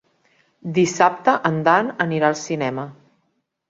Dissabte en Dan anirà al cinema.